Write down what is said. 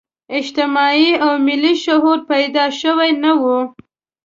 اجتماعي او ملي شعور پیدا شوی نه وي.